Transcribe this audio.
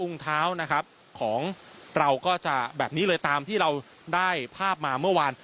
เท้านะครับของเราก็จะแบบนี้เลยตามที่เราได้ภาพมาเมื่อวาน